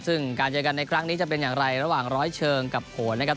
ซึ่งการเจอกันในครั้งนี้จะเป็นอย่างไรระหว่างร้อยเชิงกับโขนนะครับ